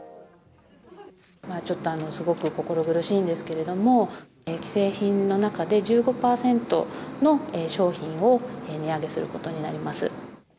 ちょっとすごく心苦しいんですけれども、既製品の中で１５％の商品を値上げすることになります。